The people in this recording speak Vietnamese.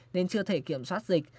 nên chưa thể kiểm soát dịch